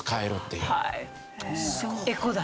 エコだ。